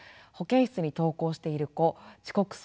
保健室に登校している子遅刻